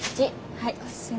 はい。